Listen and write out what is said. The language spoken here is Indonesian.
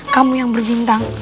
kamu yang berbintang